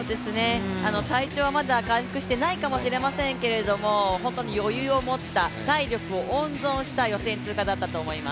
体調はまだ回復していないかもしれませんが、本当に余裕を持った体力を温存した予選通過だったと思います。